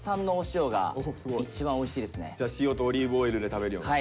じゃ塩とオリーブオイルで食べるような。